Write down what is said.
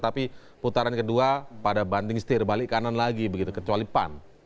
tapi putaran kedua pada banting setir balik kanan lagi begitu kecuali pan